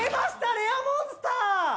レアモンスター。